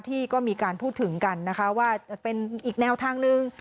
ที่ก็มีการพูดถึงกันนะคะว่าจะเป็นอีกแนวทางหนึ่ง